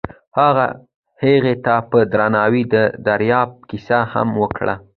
هغه هغې ته په درناوي د دریاب کیسه هم وکړه.